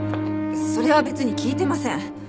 それは別に聞いてません。